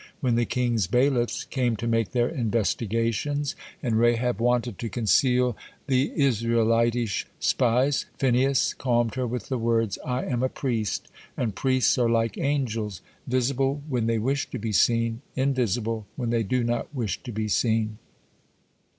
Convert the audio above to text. When the king's bailiffs came to make their investigations, and Rahab wanted to conceal the Israelitish spies, Phinehas calmed her with the words: "I am a priest, and priests are like angels, visible when they wish to be seen, invisible when they do not wish to be seen."